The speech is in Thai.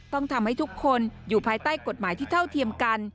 ต้องทำให้ทุกคนอยู่ภายใต้กฎหมายที่เท่าเทียมกัน